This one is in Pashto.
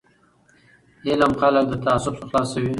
علم خلک له تعصب څخه خلاصوي.